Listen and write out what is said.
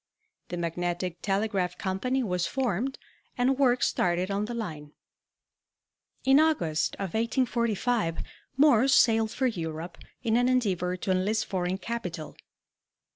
The Magnetic Telegraph Company was formed and work started on the line. In August of 1845 Morse sailed for Europe in an endeavor to enlist foreign capital.